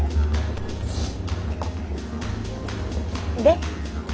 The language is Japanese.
で？